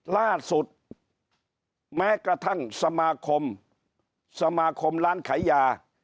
ล่าสุดแม้กระทั่งสมาคมสมาคมร้านขายยา